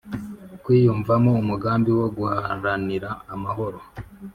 kwiyumvamo umugambi wo guharanira amahoro